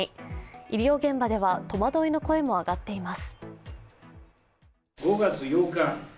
医療現場では戸惑いの声もあがっています。